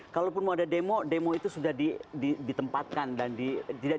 kalaupun mau ada demo demo itu sudah ditempatkan dan tidak